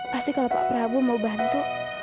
pasti kalau pak prabowo mau bantu